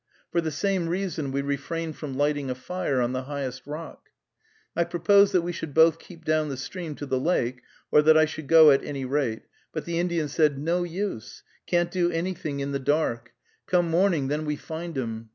For the same reason we refrained from lighting a fire on the highest rock. I proposed that we should both keep down the stream to the lake, or that I should go at any rate, but the Indian said: "No use, can't do anything in the dark; come morning, then we find 'em.